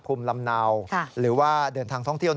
ภูมิลำเนาหรือว่าเดินทางท่องเที่ยว